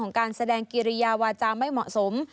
การแสดงกิริยาวาจาไม่เหมาะสม